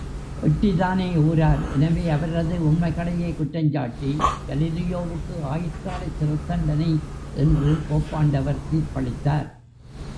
எட்டிதானே ஊரார் எனவே அவரது உண்மைகளையே குற்றம் சாட்டி கலீலியோவுக்கு ஆயுட்காலச் சிறை தண்டனை என்று போப்பாண்டவர் தீர்ப்பளித்தார்!